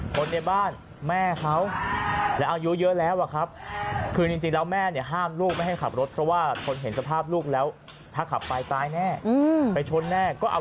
คนในบ้านแม่เขาและอายุเยอะแล้วอะครับคือจริงแล้วแม่เนี่ยห้ามลูกไม่ให้ขับรถเพราะว่าคนเห็นสภาพลูกแล้วถ้าขับไปตายแน่ไปชนแน่ก็เอา